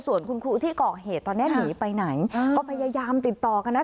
ส่วนคุณครูที่เกาะเหตุตอนนี้หนีไปไหนก็พยายามติดต่อกันนะ